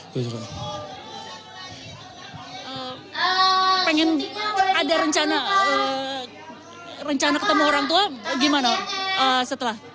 pengen ada rencana rencana ketemu orang tua gimana setelah